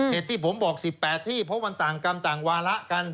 เหตุที่ผมบอก๑๘ที่เพราะมันต่างกรรมต่างวาระกัน